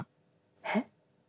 えっ？